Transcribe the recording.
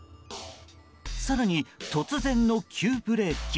更に突然の急ブレーキ。